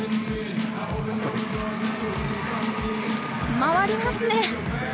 回りますね。